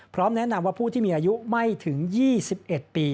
แนะนำว่าผู้ที่มีอายุไม่ถึง๒๑ปี